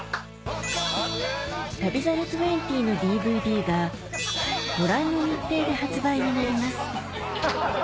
『旅猿２０』のＤＶＤがご覧の日程で発売になります